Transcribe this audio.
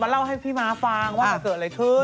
มันเล่าให้พี่ม๊าฟังว่าเกิดอะไรขึ้น